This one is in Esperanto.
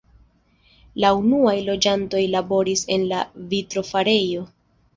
La unuaj loĝantoj laboris en la vitrofarejo.